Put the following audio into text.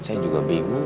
saya juga bingung